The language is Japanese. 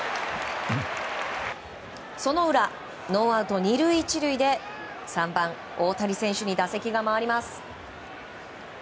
その裏、ノーアウト２塁１塁で３番、大谷選手に打席が回ります。